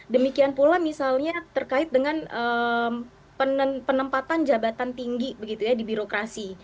demikian pula misalnya terkait dengan penempatan jabatan tinggi begitu ya di birokrasi